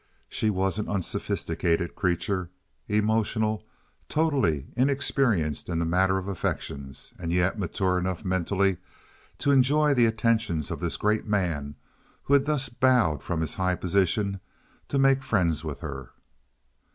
She was an unsophisticated creature, emotional, totally inexperienced in the matter of the affections, and yet mature enough mentally to enjoy the attentions of this great man who had thus bowed from his high position to make friends with her.